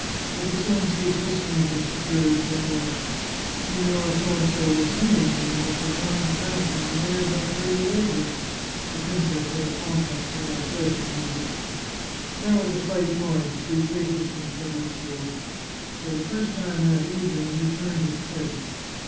But he soon ceased listening to the superior general. Signora P was singing, in the most divine fashion, an air by Per golese (the princess had a fondness for old fashioned music). There was a slight noise three paces from Fabrizio. For the first time that evening he turned his head.